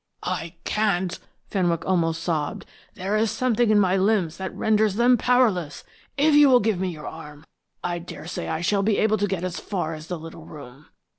"I can't," Fenwick almost sobbed. "There is something in my limbs that renders them powerless. If you will give me your arm, I daresay I shall be able to get as far as the little room."